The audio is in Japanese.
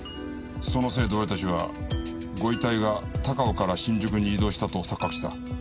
そのせいで俺たちはご遺体が高尾から新宿に移動したと錯覚した。